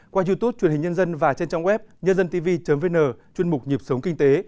qua youtube truyền hình nhân dân và trên trang web nhândântv vn chuyên mục nhịp sống kinh tế